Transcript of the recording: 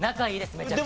めちゃくちゃ。